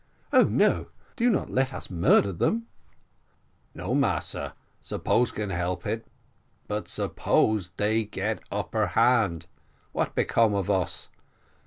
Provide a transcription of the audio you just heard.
"Oh, no! do not let us murder them." "No, massa suppose can help it; but suppose they get upper hand what become of us?